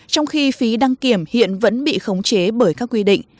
trong khi phí đăng kiểm hiện vẫn bị khống chế bởi các quy định